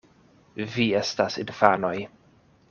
Vi estas infanoj.